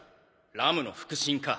ラムの腹心か。